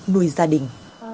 nuôi gia đình